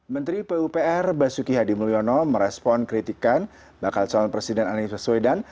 menteri pupr basuki hadi mulyono merespon kritikan bakal calon presiden anies baswedan